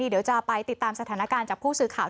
เดี๋ยวจะไปติดตามสถานการณ์จากผู้สื่อข่าว